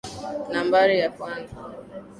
Nambari ya kwanza.